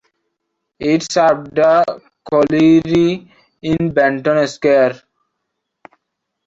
It served the colliery in Benton Square.